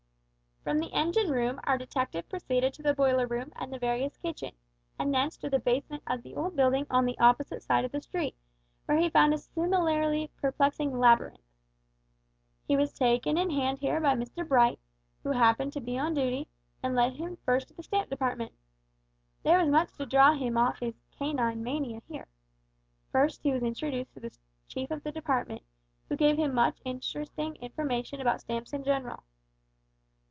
From the engine room our detective proceeded to the boiler room and the various kitchens, and thence to the basement of the old building on the opposite side of the street, where he found a similarly perplexing labyrinth. He was taken in hand here by Mr Bright, who chanced to be on duty, and led him first to the Stamp Department. There was much to draw him off his "canine" mania here. First he was introduced to the chief of the department, who gave him much interesting information about stamps in general.